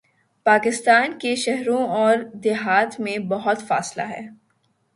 پاکستان کے شہروں اوردیہات میں بہت فاصلہ ہے۔